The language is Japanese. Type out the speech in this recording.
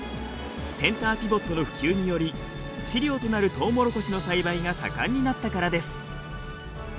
センターピボットの普及により飼料となるとうもろこしの栽培が盛んになったからです。